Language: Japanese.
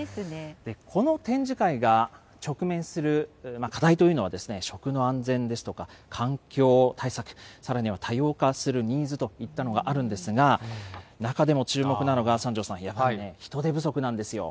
この展示会が直面する課題というのは、食の安全ですとか、環境対策、さらには多様化するニーズといったものがあるんですが、中でも注目なのが、三條さん、やはりね、人手不足なんですよ。